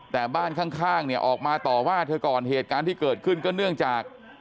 แต่บ้านข้างเนี่ยออกมาต่อว่าเธอก่อนเหตุการณ์ที่เกิดขึ้นก็เนื่องจาก